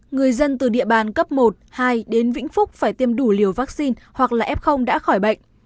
người dân từ địa bàn cấp một hai đến vĩnh phúc phải tiêm đủ liều vaccine hoặc là f đã khỏi bệnh